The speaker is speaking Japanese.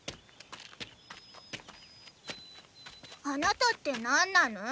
あなたってなんなの？